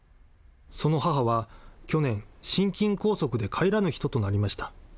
その母は去年、心筋梗塞で帰らぬ人となりました。